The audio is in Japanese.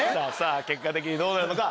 結果的にどうなるのか？